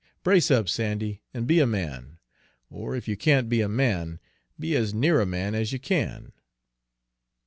Brace up, Sandy, and be a man, or, if you can't be a man, be as near a man as you can!"